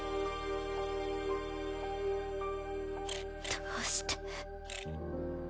どうして。